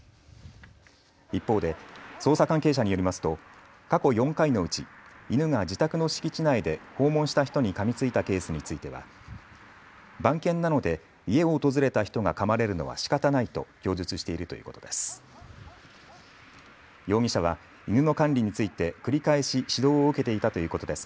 一方で捜査関係者によりますと過去４回のうち犬が自宅の敷地内で訪問した人にかみついたケースについては番犬なので家を訪れた人がかまれるのはしかたないと供述しているということです。